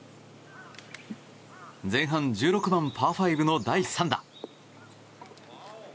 前半１６番、パー５の第３打。